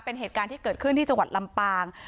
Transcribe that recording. เป็นเหตุการณ์ที่เกิดขึ้นที่จังหวัดลำปาง